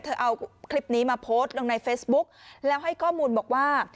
เอาคลิปนี้มาโพสต์ลงในเฟซบุ๊กแล้วให้ข้อมูลบอกว่า